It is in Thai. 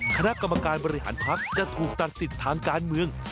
คณะกรรมการบริหารภักดิ์จะถูกตัดสิทธิ์ทางการเมือง